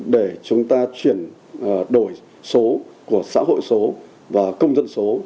để chúng ta chuyển đổi số của xã hội số và công dân số